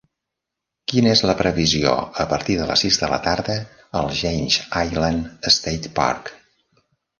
quina és la previsió a partir de les sis de la tarda al Janes Island State Park